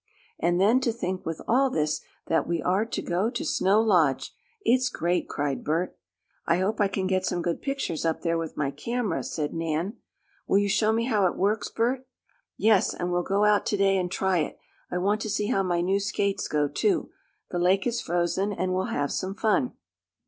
"And then to think, with all this, that we are to go to Snow Lodge! It's great!" cried Bert. "I hope I can get some good pictures up there with my camera," said Nan. "Will you show me how it works, Bert?" "Yes, and we'll go out to day and try it. I want to see how my new skates go, too. The lake is frozen and we'll have some fun."